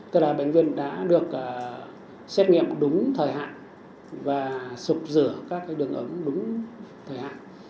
tức là bệnh viện đã được xét nghiệm đúng thời hạn và sụp rửa các đường ấm đúng thời hạn